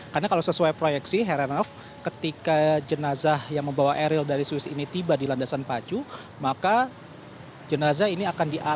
karena kalau sesuai proyeksi heranov ketika jenazah yang membawa ariel dari swiss ini tiba di landasan pacu maka jenazah ini akan dikumpulkan